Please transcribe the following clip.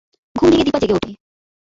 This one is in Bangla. ঘুম ভেঙে দিপা জেগে ওঠে।